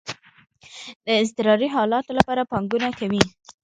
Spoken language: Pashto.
د اضطراری حالاتو لپاره پانګونه کوئ؟